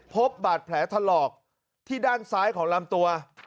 พบบาดแผลถลอกที่ด้านซ้ายของลำตัว